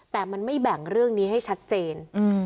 แต่มันไม่แบ่งเรื่องนี้ให้ชัดเจน